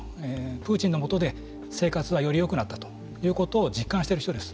プーチンの元で生活はよりよくなったということを実感している人です。